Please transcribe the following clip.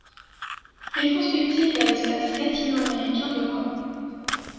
Rétrospective à l’Espace Lation-Américain de Rome.